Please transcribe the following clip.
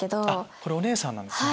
これお姉さんなんですね。